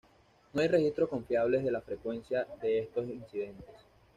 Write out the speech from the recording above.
No hay registros confiables de la frecuencia de estos incidentes.